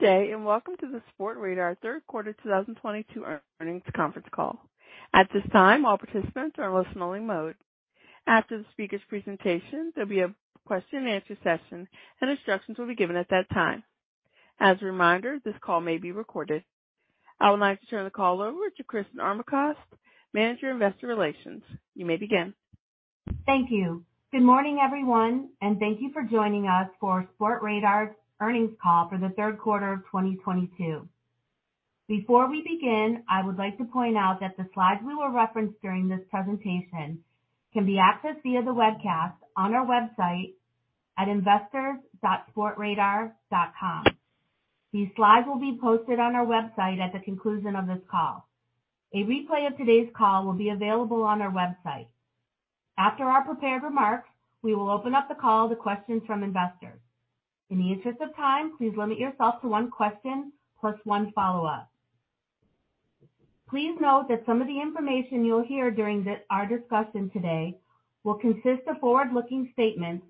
Good day, and welcome to the Sportradar third quarter 2022 earnings conference call. At this time, all participants are in listen-only mode. After the speaker's presentation, there'll be a question and answer session, and instructions will be given at that time. As a reminder, this call may be recorded. I would like to turn the call over to Christin Armacost, Manager, Investor Relations. You may begin. Thank you. Good morning, everyone, and thank you for joining us for Sportradar's earnings call for the third quarter of 2022. Before we begin, I would like to point out that the slides we will reference during this presentation can be accessed via the webcast on our website at investors.sportradar.com. These slides will be posted on our website at the conclusion of this call. A replay of today's call will be available on our website. After our prepared remarks, we will open up the call to questions from investors. In the interest of time, please limit yourself to one question plus one follow-up. Please note that some of the information you'll hear during our discussion today will consist of forward-looking statements,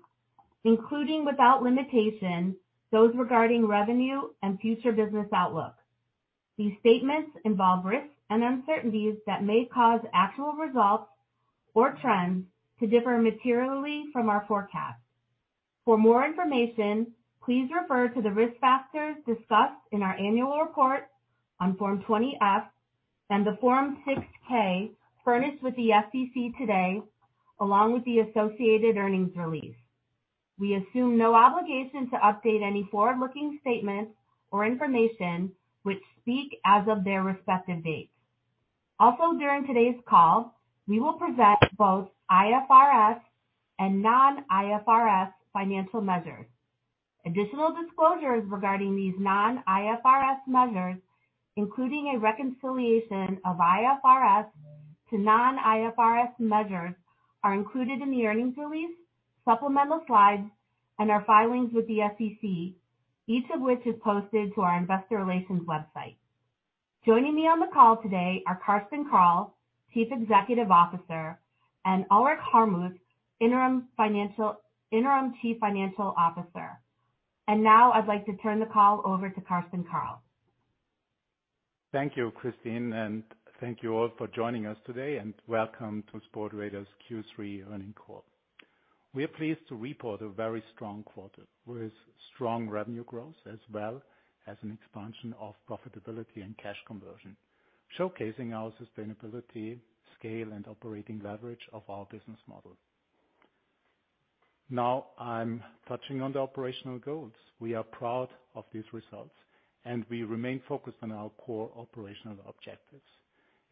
including without limitation those regarding revenue and future business outlooks. These statements involve risks and uncertainties that may cause actual results or trends to differ materially from our forecasts. For more information, please refer to the risk factors discussed in our annual report on Form 20-F and the Form 6-K furnished with the SEC today, along with the associated earnings release. We assume no obligation to update any forward-looking statements or information which speak as of their respective dates. Also, during today's call, we will present both IFRS and non-IFRS financial measures. Additional disclosures regarding these non-IFRS measures, including a reconciliation of IFRS to non-IFRS measures, are included in the earnings release, supplemental slides, and our filings with the SEC, each of which is posted to our investor relations website. Joining me on the call today are Carsten Koerl, Chief Executive Officer, and Ulrich Harmuth, Interim Chief Financial Officer. Now I'd like to turn the call over to Carsten Koerl. Thank you, Christin, and thank you all for joining us today, and welcome to Sportradar's Q3 earnings call. We are pleased to report a very strong quarter with strong revenue growth, as well as an expansion of profitability and cash conversion, showcasing our sustainability, scale, and operating leverage of our business model. Now I'm touching on the operational goals. We are proud of these results and we remain focused on our core operational objectives,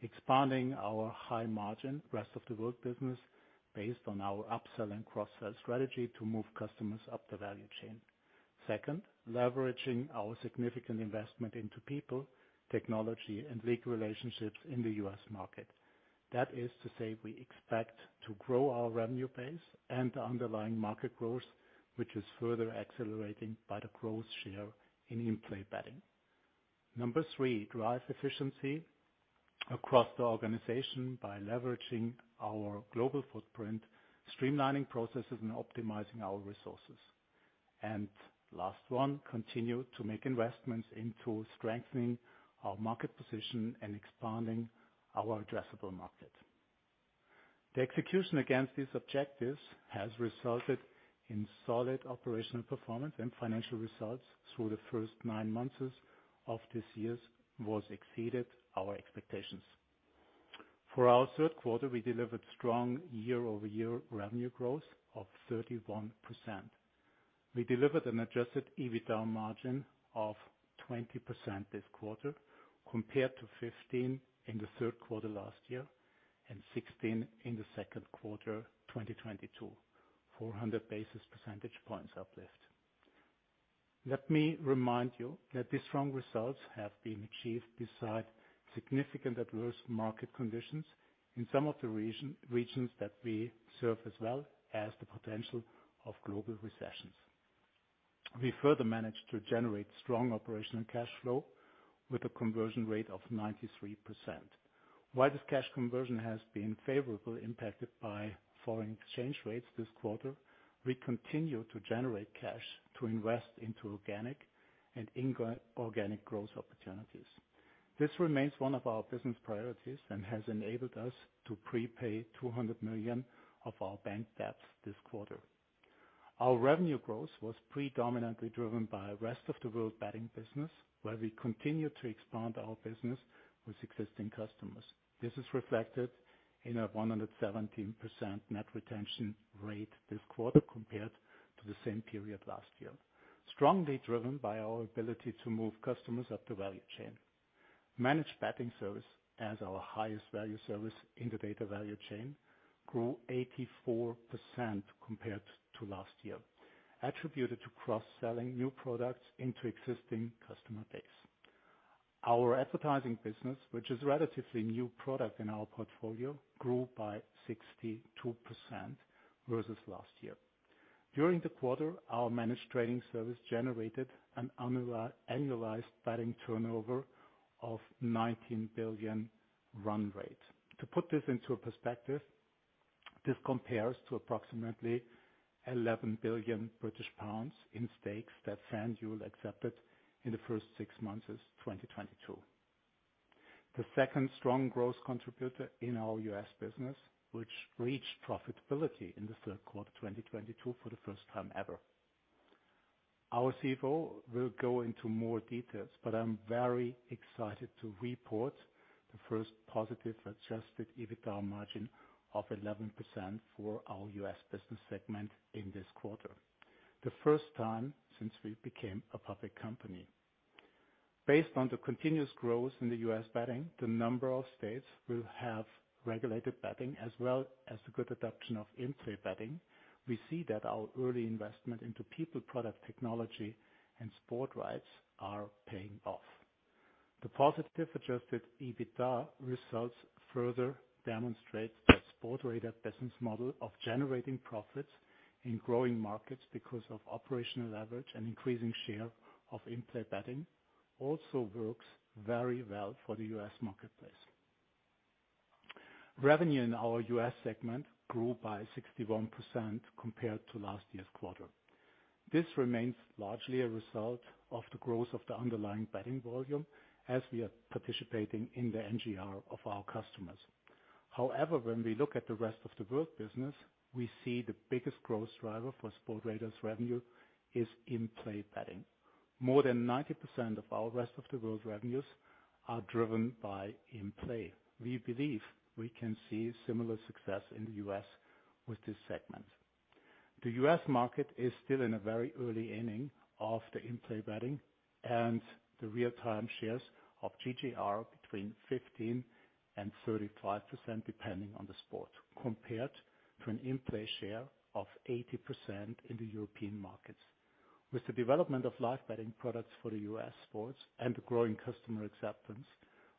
expanding our high margin Rest of the World business based on our upsell and cross-sell strategy to move customers up the value chain. Second, leveraging our significant investment into people, technology, and league relationships in the U.S. market. That is to say we expect to grow our revenue base and the underlying market growth, which is further accelerating by the greater share in in-play betting. Number three, drive efficiency across the organization by leveraging our global footprint, streamlining processes, and optimizing our resources. Last one, continue to make investments into strengthening our market position and expanding our addressable market. The execution against these objectives has resulted in solid operational performance and financial results through the first nine months of this year, which has exceeded our expectations. For our third quarter, we delivered strong year-over-year revenue growth of 31%. We delivered an adjusted EBITDA margin of 20% this quarter compared to 15% in the third quarter last year and 16% in the second quarter 2022, 400 basis points uplift. Let me remind you that these strong results have been achieved despite significant adverse market conditions in some of the regions that we serve as well as the potential of global recessions. We further managed to generate strong operational cash flow with a conversion rate of 93%. While this cash conversion has been favorably impacted by foreign exchange rates this quarter, we continue to generate cash to invest into organic and inorganic growth opportunities. This remains one of our business priorities and has enabled us to prepay $200 million of our bank debts this quarter. Our revenue growth was predominantly driven by Rest of the World betting business, where we continued to expand our business with existing customers. This is reflected in a 117% net retention rate this quarter compared to the same period last year. Strongly driven by our ability to move customers up the value chain. Managed Betting Services as our highest value service in the data value chain grew 84% compared to last year, attributed to cross-selling new products into existing customer base. Our advertising business, which is relatively new product in our portfolio, grew by 62% versus last year. During the quarter, our Managed Trading Service generated an annualized betting turnover of 19 billion run rate. To put this into perspective. This compares to approximately 11 billion British pounds in stakes that FanDuel accepted in the first six months of 2022. The second strong growth contributor in our US business, which reached profitability in the third quarter of 2022 for the first time ever. Our CFO will go into more details, but I'm very excited to report the first positive adjusted EBITDA margin of 11% for our US business segment in this quarter. The first time since we became a public company. Based on the continuous growth in the U.S. betting, the number of states will have regulated betting as well as the good adoption of in-play betting. We see that our early investment into people, product technology, and sports rights are paying off. The positive adjusted EBITDA results further demonstrate that Sportradar's business model of generating profits in growing markets because of operational leverage and increasing share of in-play betting also works very well for the U.S. marketplace. Revenue in our U.S. segment grew by 61% compared to last year's quarter. This remains largely a result of the growth of the underlying betting volume as we are participating in the NGR of our customers. However, when we look at the Rest of the World business, we see the biggest growth driver for Sportradar's revenue is in-play betting. More than 90% of our Rest of the World revenues are driven by in-play. We believe we can see similar success in the U.S. with this segment. The U.S. market is still in a very early inning of the in-play betting, and the real-time shares of GGR between 15% and 35%, depending on the sport, compared to an in-play share of 80% in the European markets. With the development of live betting products for the U.S. sports and the growing customer acceptance,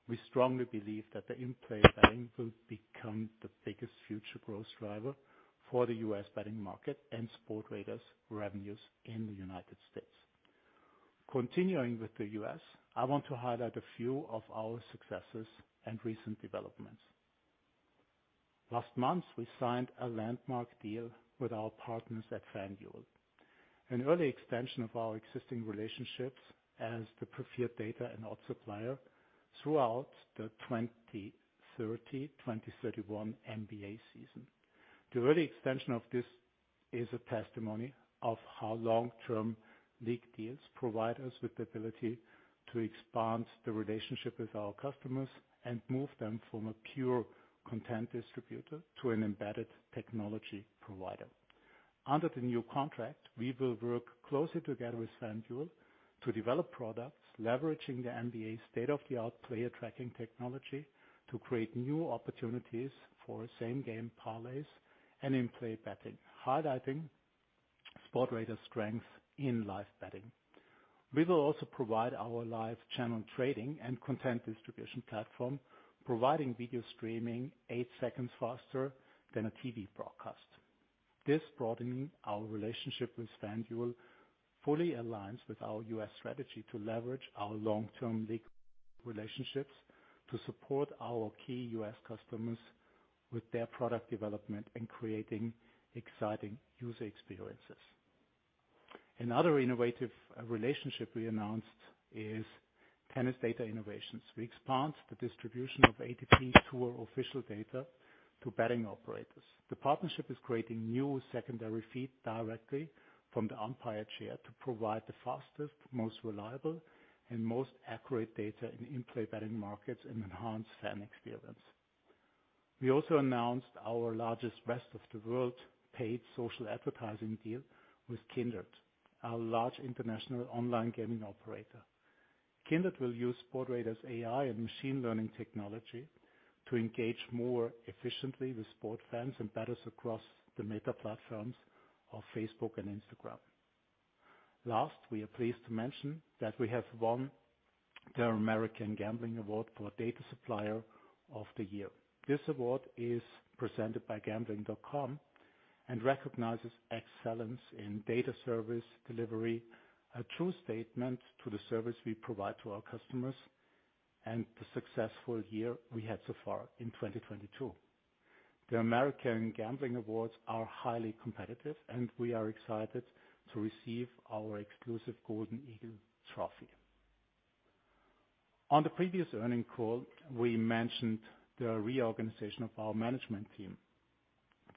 we strongly believe that the in-play betting will become the biggest future growth driver for the U.S. betting market and Sportradar's revenues in the United States. Continuing with the U.S., I want to highlight a few of our successes and recent developments. Last month, we signed a landmark deal with our partners at FanDuel, an early extension of our existing relationships as the preferred data and odds supplier throughout the 2030-2031 NBA season. The early extension of this is a testimony of how long-term league deals provide us with the ability to expand the relationship with our customers and move them from a pure content distributor to an embedded technology provider. Under the new contract, we will work closely together with FanDuel to develop products leveraging the NBA state-of-the-art player tracking technology to create new opportunities for same-game parlays and in-play betting, highlighting Sportradar's strength in live betting. We will also provide our live channel trading and content distribution platform, providing video streaming 8 seconds faster than a TV broadcast. This broadening our relationship with FanDuel fully aligns with our U.S. strategy to leverage our long-term league relationships to support our key U.S. customers with their product development and creating exciting user experiences. Another innovative relationship we announced is Tennis Data Innovations. We expand the distribution of ATP Tour official data to betting operators. The partnership is creating new secondary feed directly from the umpire chair to provide the fastest, most reliable, and most accurate data in in-play betting markets and enhance fan experience. We also announced our largest Rest of the World paid social advertising deal with Kindred, a large international online gaming operator. Kindred will use Sportradar's AI and machine learning technology to engage more efficiently with sports fans and bettors across the Meta platforms of Facebook and Instagram. Last, we are pleased to mention that we have won the American Gambling Awards for Data Supplier of the Year. This award is presented by Gambling.com and recognizes excellence in data service delivery, a true testament to the service we provide to our customers, and the successful year we had so far in 2022. The American Gambling Awards are highly competitive, and we are excited to receive our exclusive Golden Eagle trophy. On the previous earnings call, we mentioned the reorganization of our management team.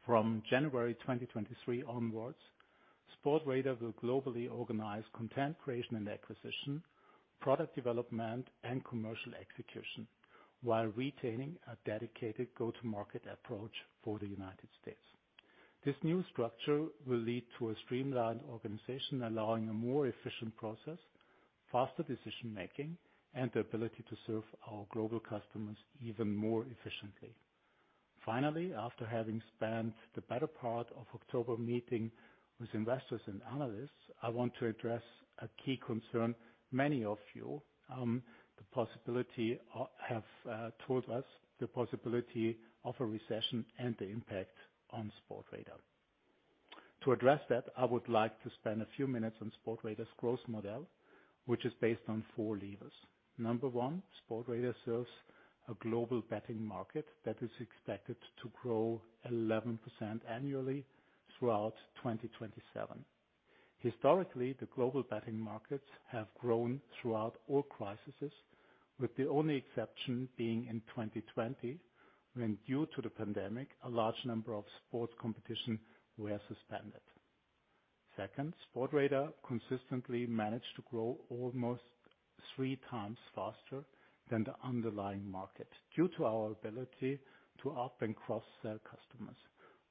From January 2023 onwards, Sportradar will globally organize content creation and acquisition, product development, and commercial execution while retaining a dedicated go-to-market approach for the United States. This new structure will lead to a streamlined organization, allowing a more efficient process, faster decision-making, and the ability to serve our global customers even more efficiently. Finally, after having spent the better part of October meeting with investors and analysts, I want to address a key concern many of you have told us, the possibility of a recession and the impact on Sportradar. To address that, I would like to spend a few minutes on Sportradar's growth model, which is based on four levers. Number one, Sportradar serves a global betting market that is expected to grow 11% annually throughout 2027. Historically, the global betting markets have grown throughout all crises, with the only exception being in 2020, when due to the pandemic, a large number of sports competition were suspended. Second, Sportradar consistently managed to grow almost three times faster than the underlying market due to our ability to up- and cross-sell customers,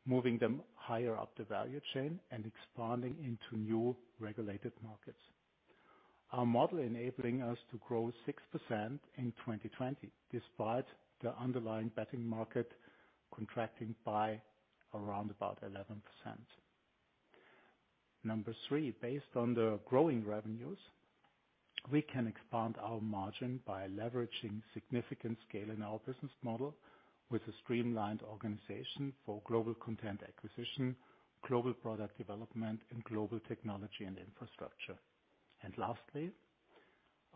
moving them higher up the value chain and expanding into new regulated markets. Our model enabling us to grow 6% in 2020, despite the underlying betting market contracting by around about 11%. Number three, based on the growing revenues, we can expand our margin by leveraging significant scale in our business model with a streamlined organization for global content acquisition, global product development, and global technology and infrastructure. Lastly,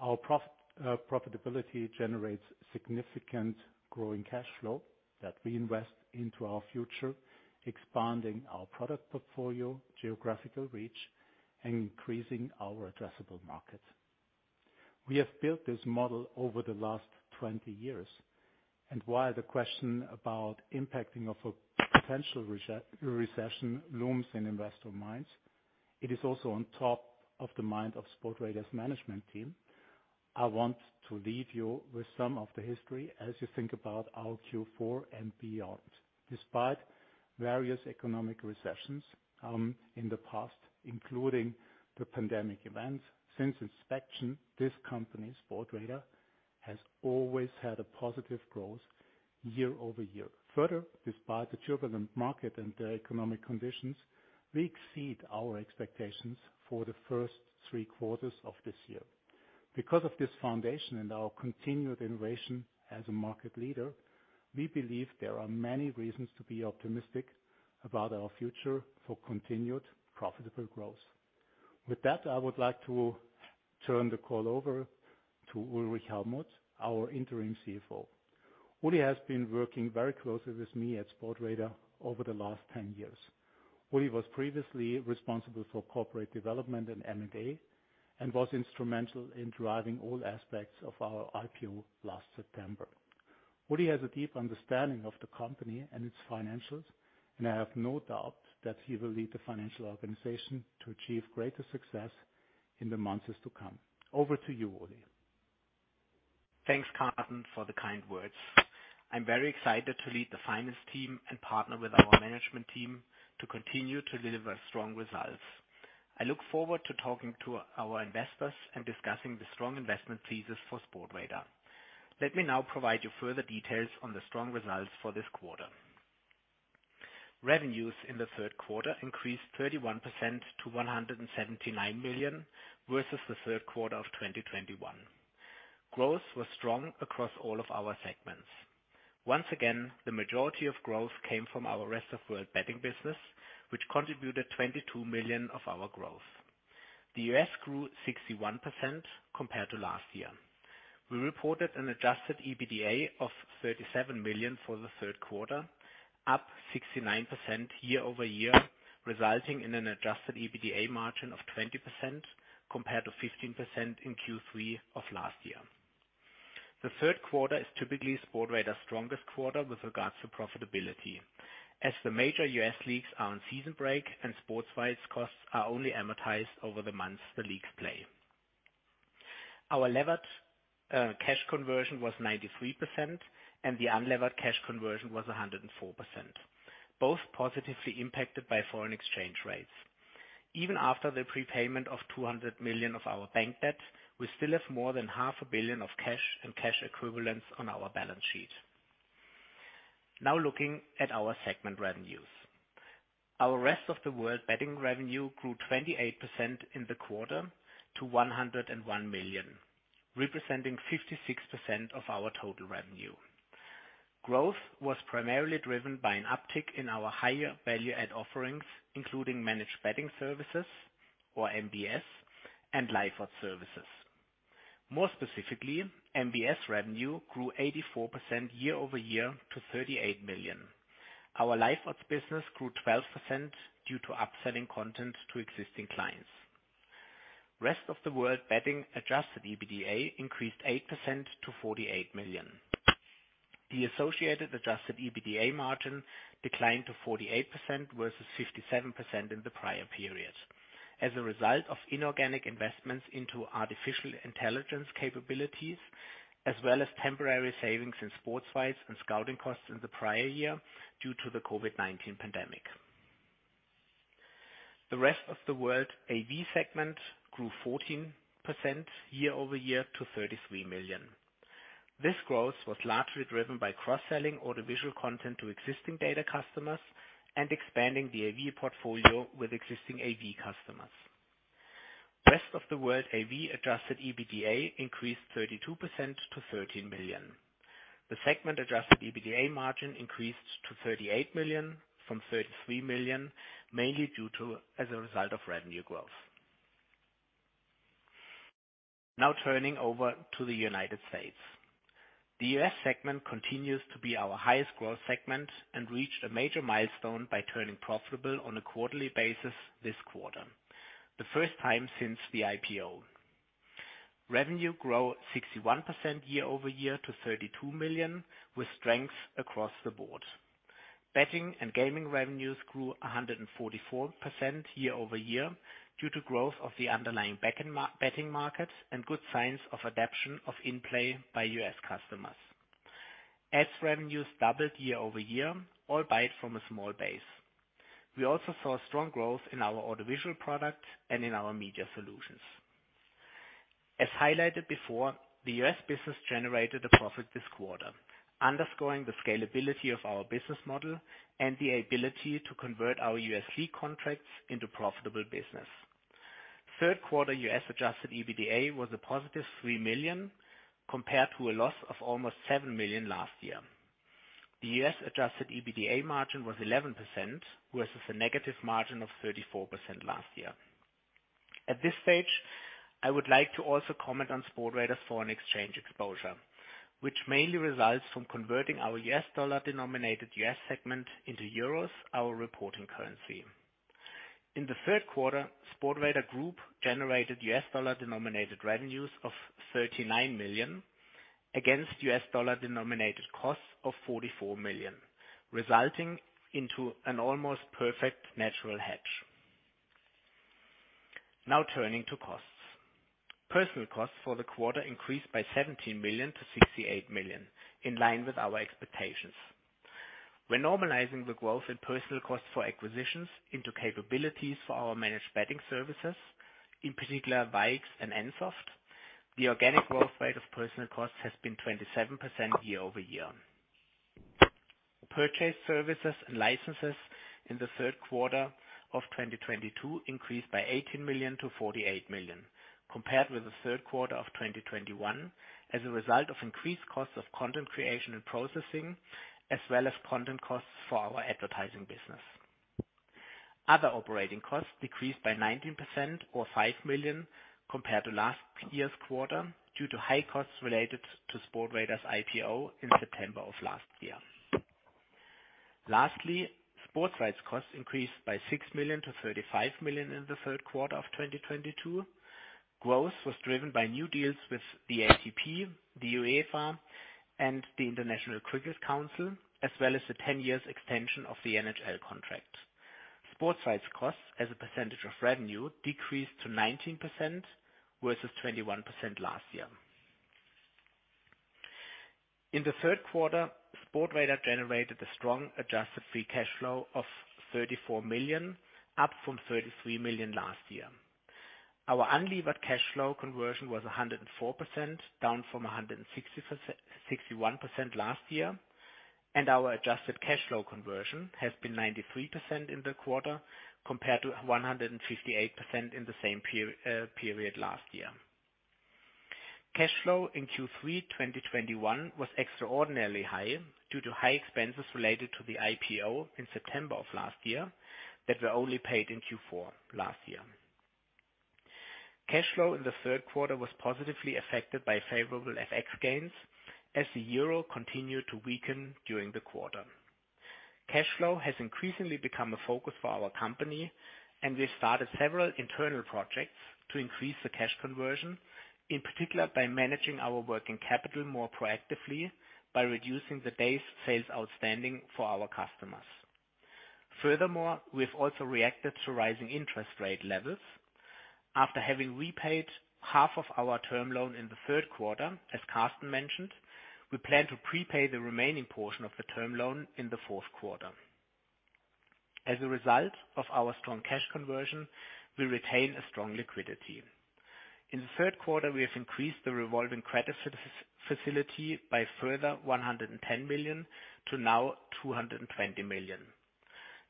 our profitability generates significantly growing cash flow that we invest into our future, expanding our product portfolio, geographical reach, and increasing our addressable market. We have built this model over the last 20 years, and while the question about the impact of a potential recession looms in investor minds, it is also top of mind for Sportradar's management team. I want to leave you with some of the history as you think about our Q4 and beyond. Despite various economic recessions in the past, including the pandemic events, since inception, this company, Sportradar, has always had a positive growth year-over-year. Further, despite the turbulent market and the economic conditions, we exceed our expectations for the first three quarters of this year. Because of this foundation and our continued innovation as a market leader, we believe there are many reasons to be optimistic about our future for continued profitable growth. With that, I would like to turn the call over to Ulrich Harmuth, our interim CFO. Uli has been working very closely with me at Sportradar over the last 10 years. Uli was previously responsible for corporate development and M&A and was instrumental in driving all aspects of our IPO last September. Uli has a deep understanding of the company and its financials, and I have no doubt that he will lead the financial organization to achieve greater success in the months to come. Over to you, Uli. Thanks, Carsten, for the kind words. I'm very excited to lead the finance team and partner with our management team to continue to deliver strong results. I look forward to talking to our investors and discussing the strong investment thesis for Sportradar. Let me now provide you further details on the strong results for this quarter. Revenues in the third quarter increased 31% to 179 million, versus the third quarter of 2021. Growth was strong across all of our segments. Once again, the majority of growth came from our Rest of World betting business, which contributed 22 million of our growth. The US grew 61% compared to last year. We reported an adjusted EBITDA of 37 million for the third quarter, up 69% year-over-year, resulting in an adjusted EBITDA margin of 20% compared to 15% in Q3 of last year. The third quarter is typically Sportradar's strongest quarter with regards to profitability, as the major U.S. leagues are on season break and sports rights costs are only amortized over the months the leagues play. Our levered cash conversion was 93%, and the unlevered cash conversion was 104%, both positively impacted by foreign exchange rates. Even after the prepayment of 200 million of our bank debt, we still have more than EUR half a billion of cash and cash equivalents on our balance sheet. Now looking at our segment revenues. Our Rest of the World betting revenue grew 28% in the quarter to 101 million, representing 56% of our total revenue. Growth was primarily driven by an uptick in our higher value add offerings, including Managed Betting Services, or MBS, and live odds services. More specifically, MBS revenue grew 84% year-over-year to 38 million. Our live odds business grew 12% due to upselling content to existing clients. Rest of the World betting adjusted EBITDA increased 8% to 48 million. The associated adjusted EBITDA margin declined to 48% versus 57% in the prior period as a result of inorganic investments into artificial intelligence capabilities, as well as temporary savings in sports rights and scouting costs in the prior year due to the COVID-19 pandemic. The Rest of the World AV segment grew 14% year-over-year to 33 million. This growth was largely driven by cross-selling audiovisual content to existing data customers and expanding the AV portfolio with existing AV customers. Rest of the World AV adjusted EBITDA increased 32% to 13 million. The segment adjusted EBITDA margin increased to 38% from 33%, mainly due to as a result of revenue growth. Now turning over to the United States. The U.S. segment continues to be our highest growth segment and reached a major milestone by turning profitable on a quarterly basis this quarter, the first time since the IPO. Revenue grew 61% year-over-year to 32 million, with strength across the board. Betting and gaming revenues grew 144% year-over-year due to growth of the underlying betting markets and good signs of adoption of in play by U.S. customers. Ads revenues doubled year-over-year, albeit from a small base. We also saw strong growth in our audiovisual product and in our media solutions. As highlighted before, the U.S. business generated a profit this quarter, underscoring the scalability of our business model and the ability to convert our US league contracts into profitable business. Third quarter U.S. adjusted EBITDA was a positive 3 million, compared to a loss of almost 7 million last year. The U.S. adjusted EBITDA margin was 11%, versus a negative margin of 34% last year. At this stage, I would like to also comment on Sportradar's foreign exchange exposure, which mainly results from converting our U.S. dollar-denominated U.S. segment into euros, our reporting currency. In the third quarter, Sportradar Group generated U.S. dollar denominated revenues of $39 million against U.S. dollar denominated costs of $44 million, resulting into an almost perfect natural hedge. Now turning to costs. Personnel costs for the quarter increased by 17 million-68 million, in line with our expectations. When normalizing the growth in personnel costs for acquisitions into capabilities for our Managed Betting Services, in particular VAIX and NSoft, the organic growth rate of personnel costs has been 27% year-over-year. Purchased services and licenses in the third quarter of 2022 increased by 18 million-48 million, compared with the third quarter of 2021, as a result of increased costs of content creation and processing, as well as content costs for our advertising business. Other operating costs decreased by 19% or 5 million compared to last year's quarter due to high costs related to Sportradar's IPO in September of last year. Lastly, sports rights costs increased by 6 million-35 million in the third quarter of 2022. Growth was driven by new deals with the ATP, the UEFA, and the International Cricket Council, as well as the 10 years extension of the NHL contract. Sports rights costs as a percentage of revenue decreased to 19%, versus 21% last year. In the third quarter, Sportradar generated a strong adjusted free cash flow of 34 million, up from 33 million last year. Our unlevered cash flow conversion was 104%, down from 166.1% last year, and our adjusted cash flow conversion has been 93% in the quarter, compared to 158% in the same period last year. Cash flow in Q3 2021 was extraordinarily high due to high expenses related to the IPO in September of last year that were only paid in Q4 last year. Cash flow in the third quarter was positively affected by favorable FX gains as the euro continued to weaken during the quarter. Cash flow has increasingly become a focus for our company, and we started several internal projects to increase the cash conversion, in particular by managing our working capital more proactively by reducing the days' sales outstanding for our customers. Furthermore, we have also reacted to rising interest rate levels. After having repaid half of our term loan in the third quarter, as Carsten mentioned, we plan to prepay the remaining portion of the term loan in the fourth quarter. As a result of our strong cash conversion, we retain a strong liquidity. In the third quarter, we have increased the revolving credit facility by further 110 million to now 220 million.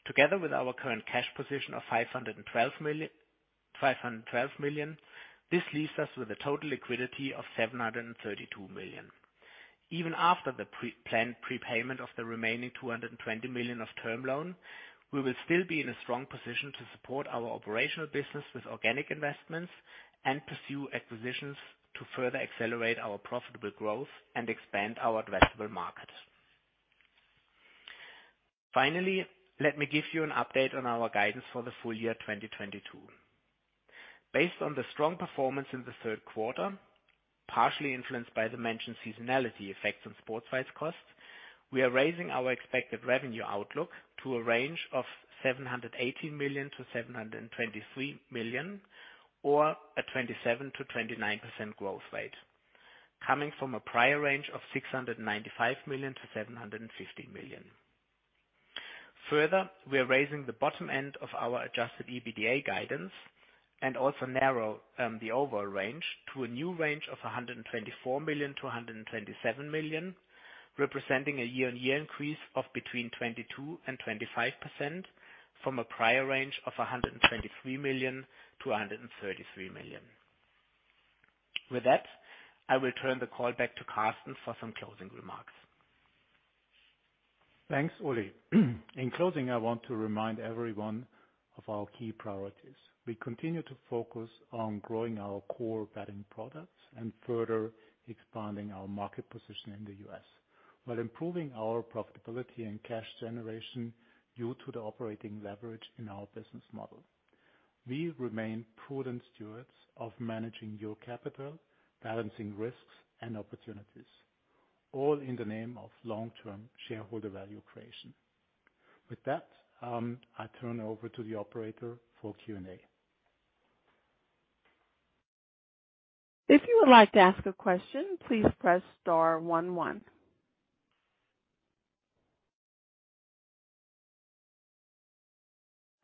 Together with our current cash position of 512 million, this leaves us with a total liquidity of 732 million. Even after the pre-planned prepayment of the remaining 220 million of term loan, we will still be in a strong position to support our operational business with organic investments and pursue acquisitions to further accelerate our profitable growth and expand our addressable market. Finally, let me give you an update on our guidance for the full year, 2022. Based on the strong performance in the third quarter, partially influenced by the mentioned seasonality effects on sports rights costs, we are raising our expected revenue outlook to a range of 780 million-823 million, or a 27%-29% growth rate, coming from a prior range of 695 million-750 million. Further, we are raising the bottom end of our adjusted EBITDA guidance and also narrow the overall range to a new range of 124 million-127 million, representing a year-on-year increase of between 22% and 25% from a prior range of 123 million-133 million. With that, I will turn the call back to Carsten for some closing remarks. Thanks, Uli. In closing, I want to remind everyone of our key priorities. We continue to focus on growing our core betting products and further expanding our market position in the US, while improving our profitability and cash generation due to the operating leverage in our business model. We remain prudent stewards of managing your capital, balancing risks and opportunities, all in the name of long-term shareholder value creation. With that, I turn over to the operator for Q&A. If you would like to ask a question, please press star one.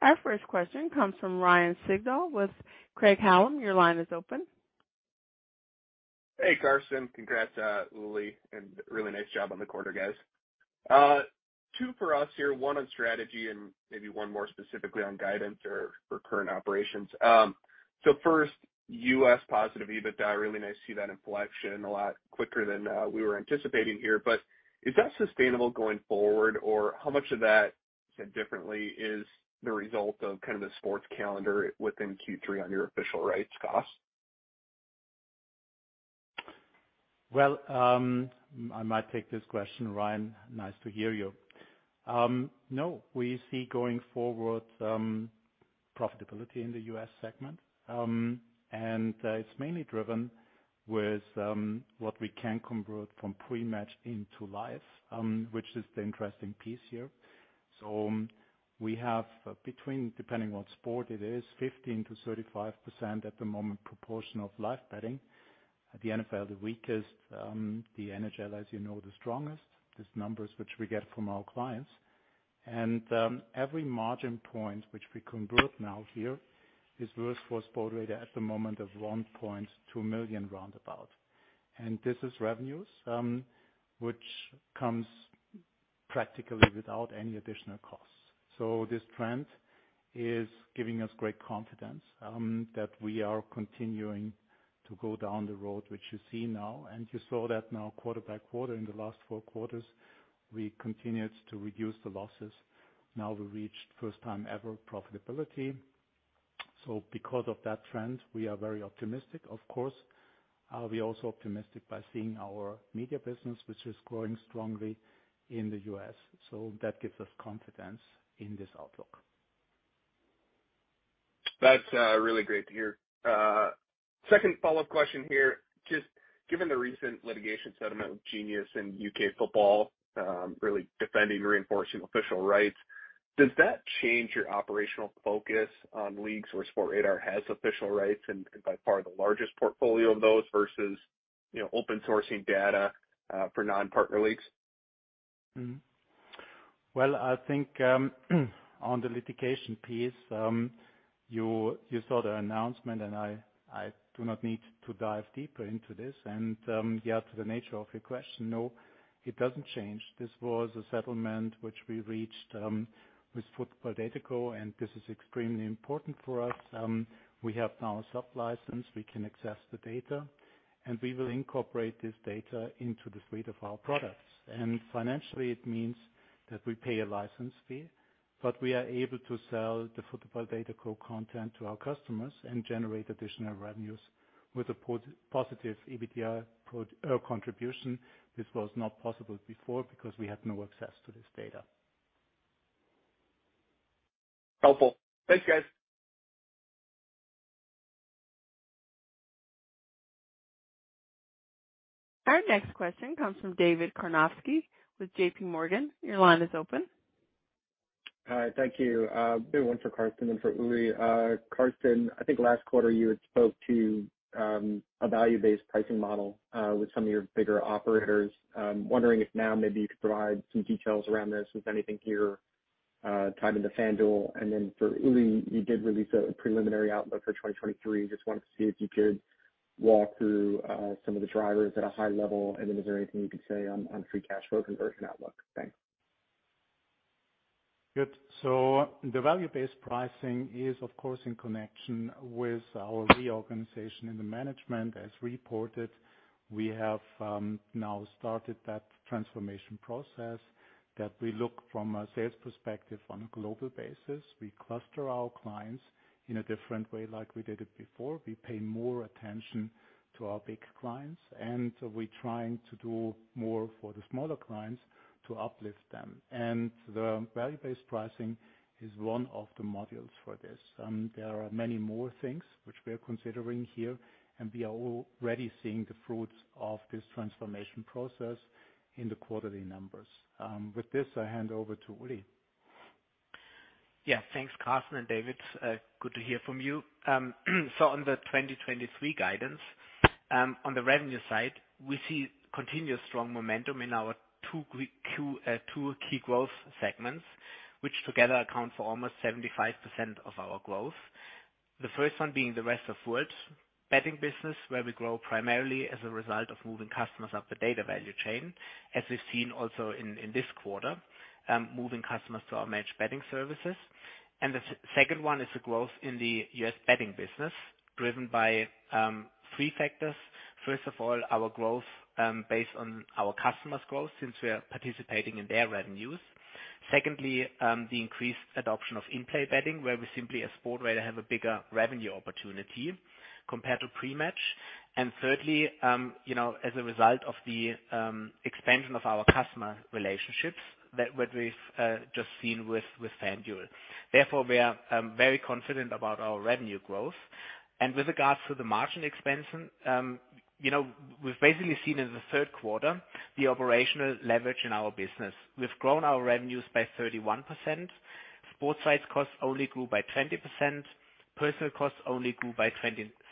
Our first question comes from Ryan Sigdahl with Craig-Hallum. Your line is open. Hey, Carsten. Congrats, Uli, and really nice job on the quarter, guys. Two for us here, one on strategy and maybe one more specifically on guidance or for current operations. So first, U.S. positive EBITDA, really nice to see that inflection a lot quicker than we were anticipating here, but is that sustainable going forward? Or how much of that, said differently, is the result of kind of the sports calendar within Q3 on your official rights costs? Well, I might take this question, Ryan. Nice to hear you. No, we see going forward, profitability in the US segment, and it's mainly driven with, what we can convert from pre-match into live, which is the interesting piece here. We have between, depending what sport it is, 15%-35% at the moment proportion of live betting. The NFL the weakest, the NHL, as you know, the strongest. These numbers which we get from our clients. Every margin point which we convert now here is worth for Sportradar at the moment of 1.2 million roundabout. This is revenues, which comes practically without any additional costs. This trend is giving us great confidence, that we are continuing to go down the road, which you see now. You saw that now, quarter-by-quarter in the last four quarters, we continued to reduce the losses. Now we reached first time ever profitability. Because of that trend, we are very optimistic, of course. We're also optimistic by seeing our media business, which is growing strongly in the U.S. That gives us confidence in this outlook. That's really great to hear. Second follow-up question here. Just given the recent litigation settlement with Genius Sports in U.K. football, really defending, reinforcing official rights, does that change your operational focus on leagues where Sportradar has official rights and by far the largest portfolio of those versus, you know, open sourcing data, for non-partner leagues? Well, I think, on the litigation piece, you saw the announcement and I do not need to dive deeper into this. Yeah, to the nature of your question, no, it doesn't change. This was a settlement which we reached with Football DataCo, and this is extremely important for us. We have now a sublicense. We can access the data, and we will incorporate this data into the suite of our products. Financially, it means that we pay a license fee, but we are able to sell the Football DataCo content to our customers and generate additional revenues with a positive EBITDA contribution. This was not possible before because we had no access to this data. Helpful. Thanks, guys. Our next question comes from David Karnovsky with JPMorgan. Your line is open. Hi. Thank you. I have one for Carsten and for Uli. Carsten, I think last quarter you had spoke to a value-based pricing model with some of your bigger operators. Wondering if now maybe you could provide some details around this with anything you're tied into FanDuel. For Uli, you did release a preliminary outlook for 2023. Just wanted to see if you could walk through some of the drivers at a high level, and then is there anything you could say on free cash flow conversion outlook? Thanks. Good. The value-based pricing is, of course, in connection with our reorganization in the management. As reported, we have now started that transformation process that we look from a sales perspective on a global basis. We cluster our clients in a different way unlike we did it before. We pay more attention to our big clients, and we're trying to do more for the smaller clients to uplift them. The value-based pricing is one of the modules for this. There are many more things which we are considering here, and we are already seeing the fruits of this transformation process in the quarterly numbers. With this, I hand over to Uli. Yeah. Thanks, Carsten and David. Good to hear from you. On the 2023 guidance, on the revenue side, we see continuous strong momentum in our two key growth segments, which together account for almost 75% of our growth. The first one being the Rest of the World betting business, where we grow primarily as a result of moving customers up the data value chain, as we've seen also in this quarter, moving customers to our Managed Betting Services. The second one is the growth in the U.S. betting business, driven by three factors. First of all, our growth based on our customers' growth since we are participating in their revenues. Secondly, the increased adoption of in-play betting, where we simply as Sportradar have a bigger revenue opportunity compared to pre-match. Thirdly, you know, as a result of the expansion of our customer relationships that's what we've just seen with FanDuel. Therefore, we are very confident about our revenue growth. With regards to the margin expansion, you know, we've basically seen in the third quarter the operational leverage in our business. We've grown our revenues by 31%. Sports rights costs only grew by 20%. Personnel costs only grew by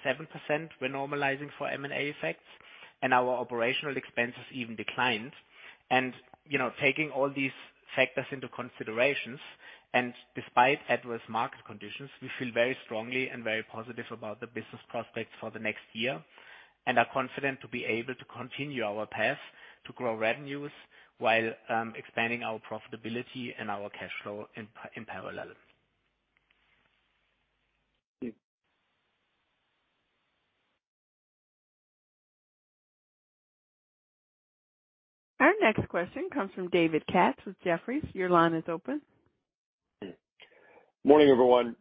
27%, we're normalizing for M&A effects, and our operational expenses even declined. You know, taking all these factors into consideration, and despite adverse market conditions, we feel very strongly and very positive about the business prospects for the next year, and are confident to be able to continue our path to grow revenues while expanding our profitability and our cash flow in parallel. Thank you. Our next question comes from David Katz with Jefferies. Your line is open. Morning, everyone.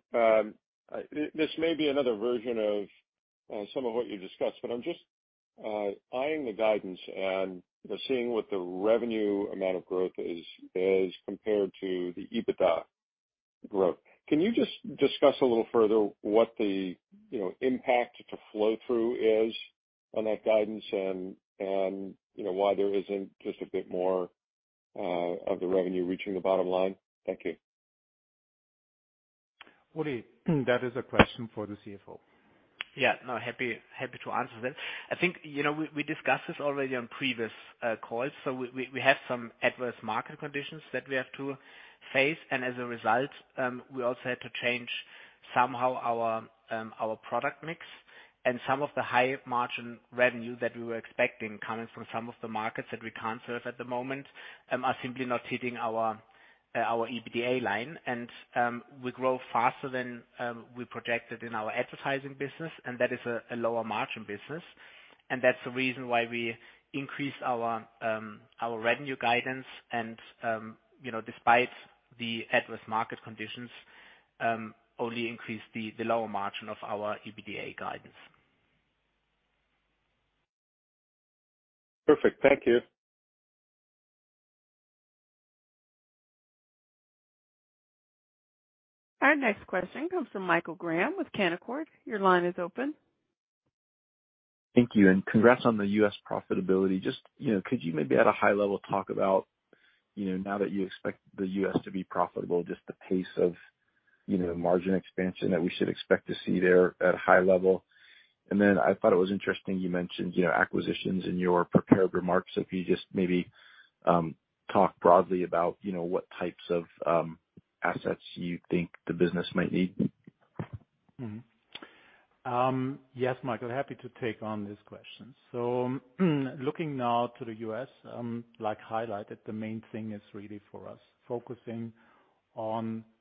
This may be another version of some of what you discussed, but I'm just eyeing the guidance and, you know, seeing what the revenue amount of growth is compared to the EBITDA growth. Can you just discuss a little further what the, you know, impact to flow through is on that guidance and, you know, why there isn't just a bit more of the revenue reaching the bottom line? Thank you. Uli, that is a question for the CFO. Yeah. No, happy to answer that. I think, you know, we discussed this already on previous calls, so we have some adverse market conditions that we have to face, and as a result, we also had to change somehow our product mix and some of the higher margin revenue that we were expecting coming from some of the markets that we can't serve at the moment are simply not hitting our EBITDA line. We grow faster than we projected in our advertising business, and that is a lower margin business. That's the reason why we increased our revenue guidance and, you know, despite the adverse market conditions, only increased the lower margin of our EBITDA guidance. Perfect. Thank you. Our next question comes from Michael Graham with Canaccord. Your line is open. Thank you, and congrats on the U.S. profitability. Just, you know, could you maybe at a high level talk about, you know, now that you expect the U.S. to be profitable, just the pace of, you know, margin expansion that we should expect to see there at a high level? I thought it was interesting you mentioned, you know, acquisitions in your prepared remarks. If you just maybe talk broadly about, you know, what types of assets you think the business might need? Yes, Michael, happy to take on this question. Looking now to the U.S., like highlighted, the main thing is really for us focusing on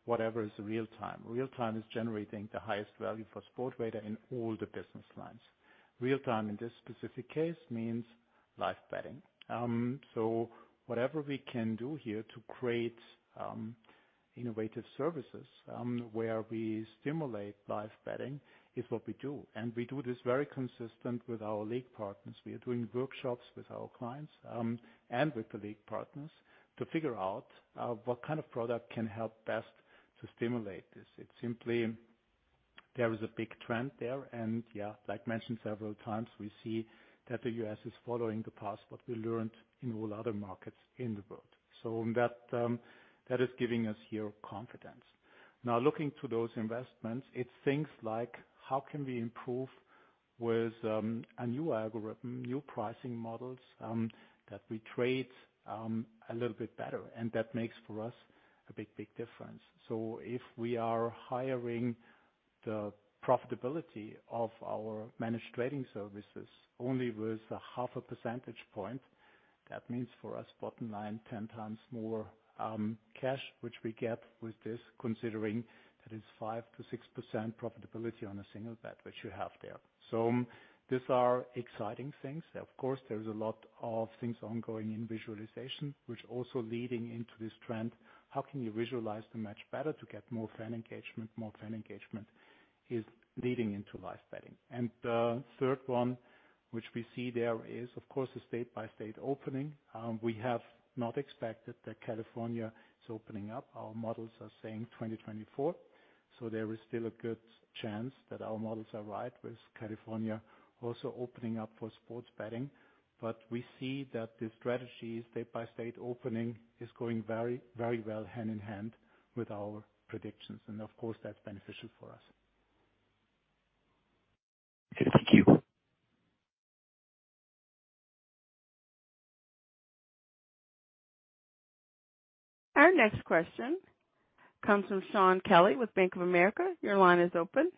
whatever is real-time. Real-time in this specific case means live betting. Whatever we can do here to create innovative services where we stimulate live betting is what we do. We do this very consistent with our league partners. We are doing workshops with our clients and with the league partners to figure out what kind of product can help best to stimulate this. It's simply there is a big trend there, and yeah, like mentioned several times, we see that the U.S. is following the path what we learned in all other markets in the world. That is giving us here confidence. Now looking to those investments, it's things like how can we improve with a new algorithm, new pricing models, that we trade a little bit better, and that makes for us a big difference. If we are hiking the profitability of our Managed Trading Services only with half a percentage point, that means for us bottom line, 10 times more cash, which we get with this, considering that it's 5%-6% profitability on a single bet, which you have there. These are exciting things. Of course, there's a lot of things ongoing in visualization, which also leading into this trend, how can you visualize the match better to get more fan engagement. More fan engagement is leading into live betting. The third one, which we see there is of course, the state-by-state opening. We have not expected that California is opening up. Our models are saying 2024, so there is still a good chance that our models are right with California also opening up for sports betting. We see that the strategy state-by-state opening is going very, very well hand in hand with our predictions, and of course, that's beneficial for us. Okay. Thank you. Our next question comes from Shaun Kelley with Bank of America. Your line is open.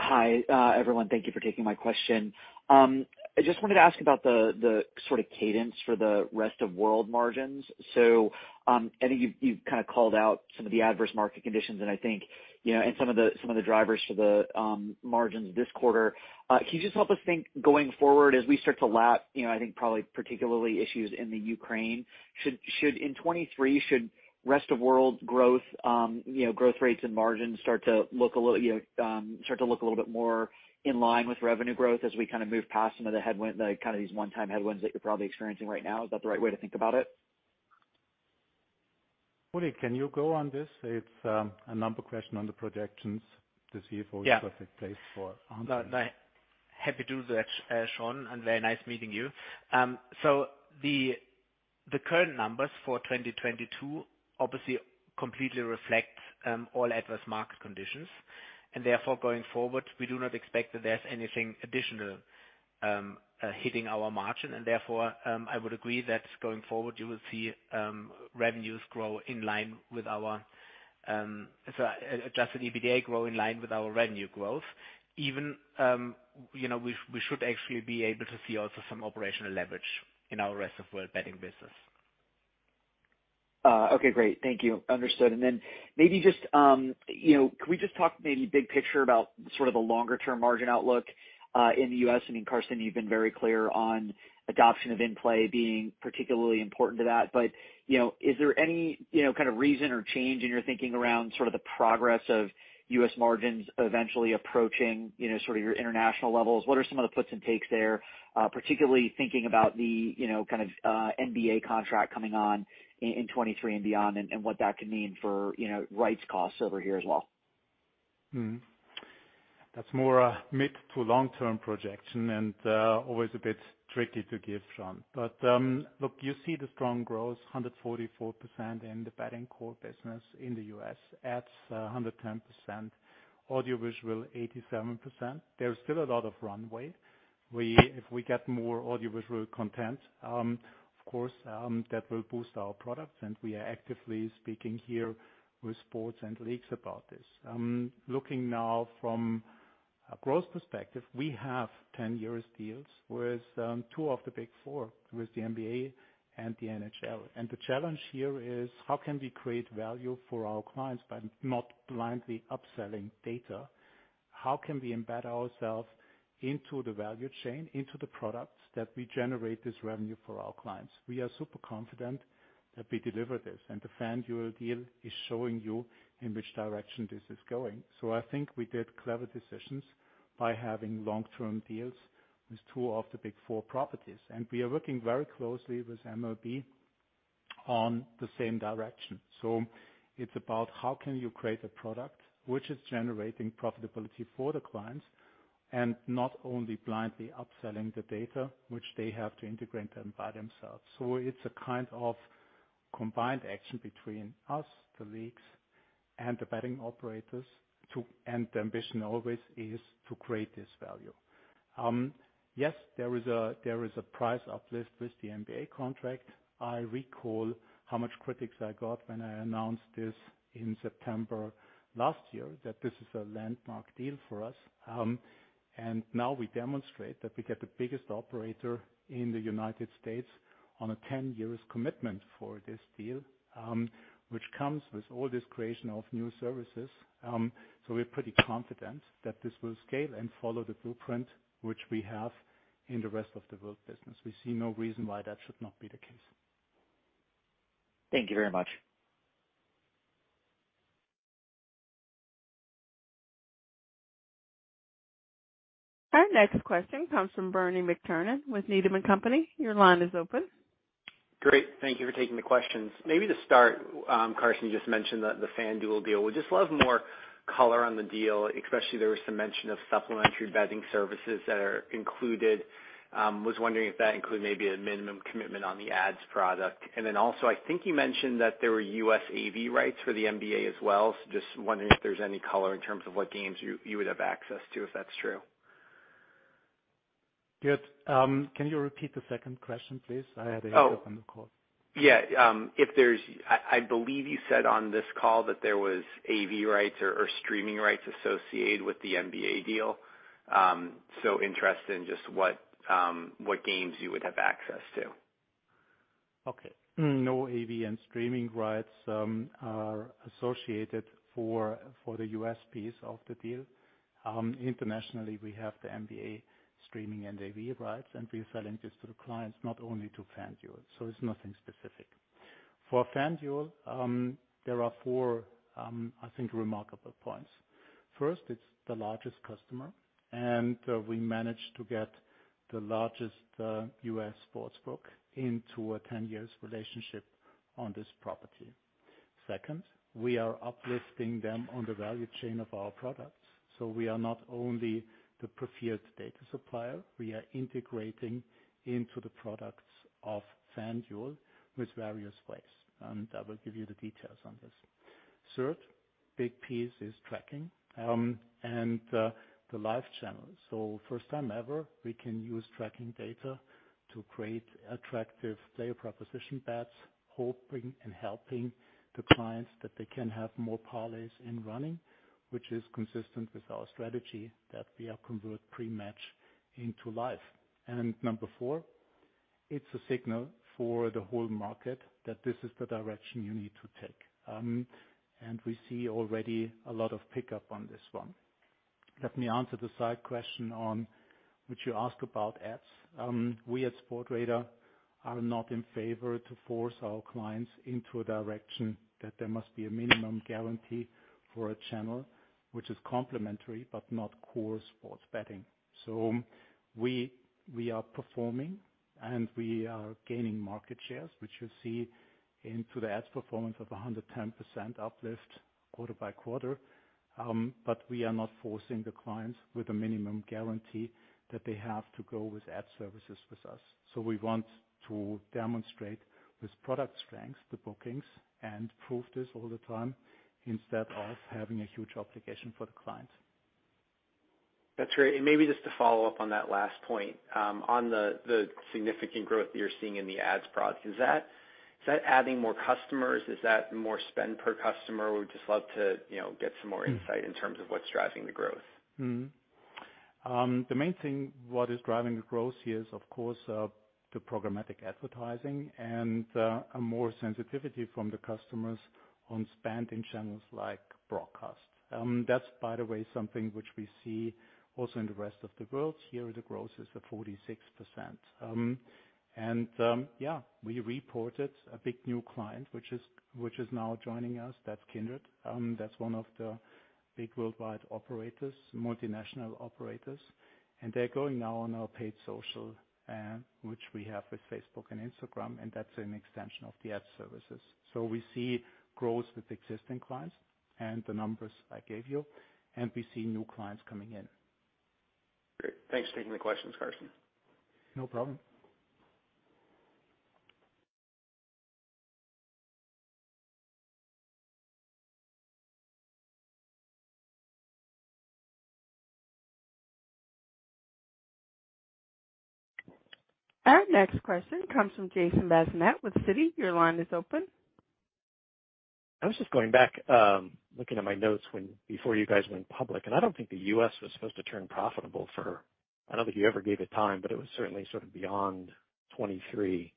Hi, everyone. Thank you for taking my question. I just wanted to ask about the sort of cadence for the Rest of World margins. I think you've kind of called out some of the adverse market conditions, and I think, you know, and some of the drivers for the margins this quarter. Can you just help us think going forward as we start to lap, you know, I think probably particularly issues in the Ukraine, should in 2023, should Rest of World growth, you know, growth rates and margins start to look a little, you know, start to look a little bit more in line with revenue growth as we kind of move past some of the headwind, the kind of these one-time headwinds that you're probably experiencing right now. Is that the right way to think about it? Uli, can you go on this? It's a number question on the projections this year for- Yeah. -the perfect place for answering. Happy to do that, Shaun, and very nice meeting you. The current numbers for 2022 obviously completely reflect all adverse market conditions. Therefore going forward, we do not expect that there's anything additional hitting our margin. Therefore, I would agree that going forward, you will see revenues grow in line with our adjusted EBITDA grow in line with our revenue growth. Even, you know, we should actually be able to see also some operational leverage in our Rest of the World betting business. Okay, great. Thank you. Understood. Maybe just, you know, can we just talk maybe big picture about sort of the longer term margin outlook in the U.S.? I mean, Carsten, you've been very clear on adoption of in-play being particularly important to that. You know, is there any, you know, kind of reason or change in your thinking around sort of the progress of US margins eventually approaching, you know, sort of your international levels? What are some of the puts and takes there, particularly thinking about the, you know, kind of, NBA contract coming on in 2023 and beyond, and what that could mean for, you know, rights costs over here as well? That's more a mid- to long-term projection and always a bit tricky to give, Sean. But look, you see the strong growth, 144% in the betting core business in the U.S., ads 110%, audiovisual 87%. There's still a lot of runway. We, if we get more audiovisual content, of course, that will boost our products, and we are actively speaking here with sports and leagues about this. Looking now from a growth perspective, we have 10-year deals with two of the big four, with the NBA and the NHL. The challenge here is how can we create value for our clients by not blindly upselling data? How can we embed ourselves into the value chain, into the products that we generate this revenue for our clients? We are super confident that we deliver this, and the FanDuel deal is showing you in which direction this is going. I think we did clever decisions by having long-term deals with two of the big four properties, and we are working very closely with MLB on the same direction. It's about how can you create a product which is generating profitability for the clients and not only blindly upselling the data which they have to integrate and by themselves. It's a kind of combined action between us, the leagues, and the betting operators to and the ambition always is to create this value. Yes, there is a price uplift with the NBA contract. I recall how much criticism I got when I announced this in September last year, that this is a landmark deal for us. Now we demonstrate that we get the biggest operator in the United States on a 10-year commitment for this deal, which comes with all this creation of new services. We're pretty confident that this will scale and follow the blueprint which we have in the Rest of the World business. We see no reason why that should not be the case. Thank you very much. Our next question comes from Bernie McTernan with Needham & Company. Your line is open. Great. Thank you for taking the questions. Maybe to start, Carsten, you just mentioned the FanDuel deal. Would just love more color on the deal, especially there was some mention of supplementary betting services that are included. Was wondering if that included maybe a minimum commitment on the ads product. Also, I think you mentioned that there were US AV rights for the NBA as well. Just wondering if there's any color in terms of what games you would have access to if that's true. Good. Can you repeat the second question, please? Oh. Hiccup on the call. Yeah. I believe you said on this call that there was AV rights or streaming rights associated with the NBA deal. Interested in just what games you would have access to. Okay. No AV and streaming rights are associated for the U.S. piece of the deal. Internationally, we have the NBA streaming and AV rights, and we are selling this to the clients, not only to FanDuel. There's nothing specific. For FanDuel, there are four, I think, remarkable points. First, it's the largest customer, and we managed to get the largest U.S. sports book into a 10 years relationship on this property. Second, we are uplifting them on the value chain of our products. We are not only the preferred data supplier, we are integrating into the products of FanDuel with various ways, and I will give you the details on this. Third big piece is tracking and the live channels. First time ever, we can use tracking data to create attractive player proposition bets, hoping and helping the clients that they can have more parlays in running, which is consistent with our strategy that we are convert pre-match into live. Number four, it's a signal for the whole market that this is the direction you need to take. We see already a lot of pickup on this one. Let me answer the side question on which you ask about ads. We at Sportradar are not in favor to force our clients into a direction that there must be a minimum guarantee for a channel which is complementary but not core sports betting. We are performing, and we are gaining market shares, which you'll see into the ads performance of 110% uplift quarter-by-quarter. We are not forcing the clients with a minimum guarantee that they have to go with ads services with us. We want to demonstrate with product strength, the bookings, and prove this all the time instead of having a huge obligation for the clients. That's great. Maybe just to follow up on that last point, on the significant growth you're seeing in the ads products, is that adding more customers? Is that more spend per customer? Would just love to, you know, get some more insight in terms of what's driving the growth. The main thing, what is driving the growth here is of course, the programmatic advertising and, a more sensitivity from the customers on spending channels like broadcast. That's by the way, something which we see also in the rest of the world. Here, the growth is at 46%. We reported a big new client, which is now joining us, that's Kindred. That's one of the big worldwide operators, multinational operators. They're going now on our paid social, which we have with Facebook and Instagram, and that's an extension of the ad services. We see growth with existing clients and the numbers I gave you, and we see new clients coming in. Great. Thanks for taking the questions, Carsten. No problem. Our next question comes from Jason Bazinet with Citi. Your line is open. I was just going back, looking at my notes from before you guys went public, and I don't think the US was supposed to turn profitable for. I don't think you ever gave it time, but it was certainly sort of beyond 2023.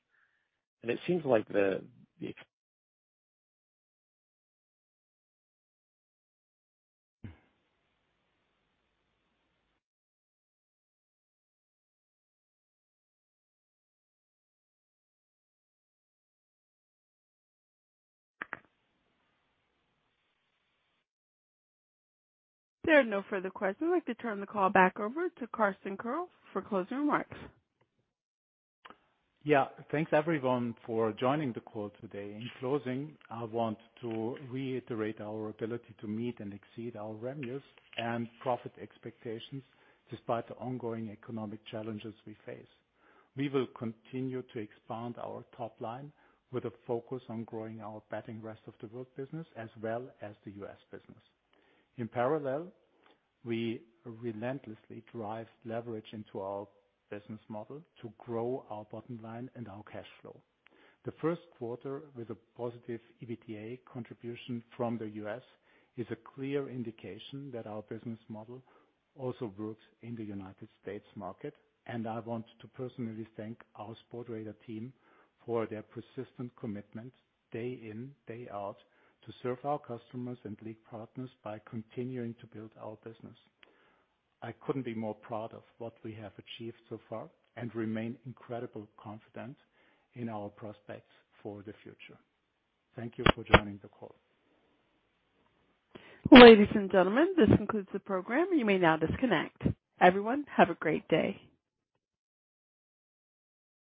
There are no further questions. I'd like to turn the call back over to Carsten Koerl for closing remarks. Yeah. Thanks everyone for joining the call today. In closing, I want to reiterate our ability to meet and exceed our revenues and profit expectations despite the ongoing economic challenges we face. We will continue to expand our top line with a focus on growing our betting Rest of the World business as well as the U.S. business. In parallel, we relentlessly drive leverage into our business model to grow our bottom line and our cash flow. The first quarter with a positive EBITDA contribution from the U.S. is a clear indication that our business model also works in the United States market, and I want to personally thank our Sportradar team for their persistent commitment day in, day out, to serve our customers and league partners by continuing to build our business. I couldn't be more proud of what we have achieved so far and remain incredibly confident in our prospects for the future. Thank you for joining the call. Ladies and gentlemen, this concludes the program. You may now disconnect. Everyone, have a great day.